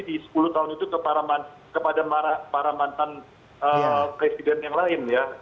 di sepuluh tahun itu kepada para mantan presiden yang lain ya